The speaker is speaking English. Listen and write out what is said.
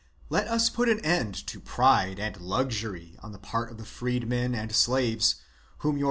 Let us put an end to pride and luxury on the part of the freedmen and slaves whom 955 Ce ee ee ὃ» CHAP.